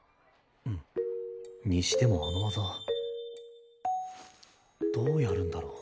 うん。にしてもあの技どうやるんだろう？